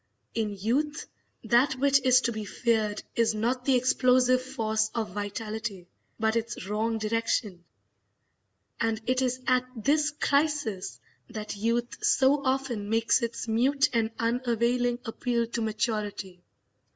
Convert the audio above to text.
In youth that which is to be feared is not the explosive force of vitality, but its wrong direction; and it is at this crisis that youth so often makes its mute and unavailing appeal to maturity.